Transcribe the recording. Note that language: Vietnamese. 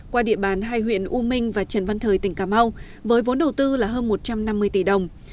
qua địa bàn hai huyện u minh và trần văn thời tỉnh cà mau với vốn đầu tư là hơn một trăm năm mươi tỷ đồng